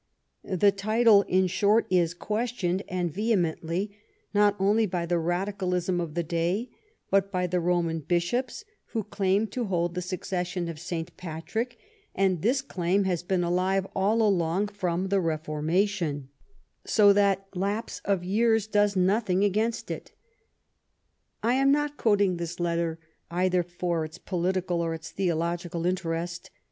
The title, in short, is questioned, and vehemently, not only by the radicalism of the day, but by the Roman bishops, who claim to hold the succession of St. Patrick; and this claim has been alive all along from the Reformation, so that lapse of years does nothing against it/* I am not quoting this letter either for its political or its theological interest.